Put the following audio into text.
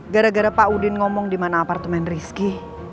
gara gara pak udin ngomong di mana apartemen rizky